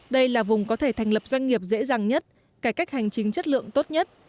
đây là vùng có thể thành lập doanh nghiệp dễ dàng nhất cải cách hành chính chất lượng tốt nhất